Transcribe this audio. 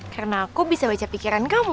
karena aku bisa beca pikiran kamu